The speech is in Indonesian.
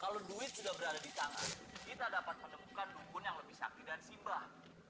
kalau duit sudah berada di tangan kita dapat menemukan dubun yang lebih sakti dan simbah